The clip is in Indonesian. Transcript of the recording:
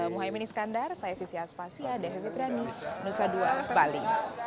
mohaimin iskandar saya sisyah aspasya dhw trani nusa dua bali